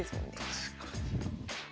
確かに。